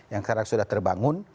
yang sekarang sudah terbangun